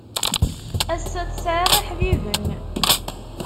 Ass-a tesɛiḍ iḥbiben.